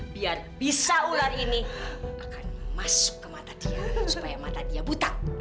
biar bisa ular ini akan masuk ke mata dia supaya mata dia buta